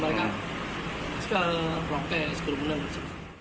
saya akan sampai sekurang kurangnya